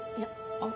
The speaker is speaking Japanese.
あの。